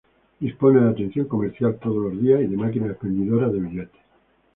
Dispone de atención comercial todos los días y de máquinas expendedoras de billetes.